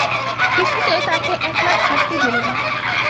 কিছুতে তাকে একলা থাকতে দিলে না।